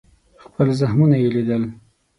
خپل زخمونه یې لیدل.